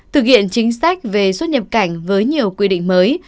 thực hiện chính sách về xuất nhập cảnh với nhiều quy định mới